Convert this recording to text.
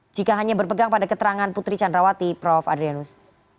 jika hanya berpegang pada keterangan putri candrawati prof adrianus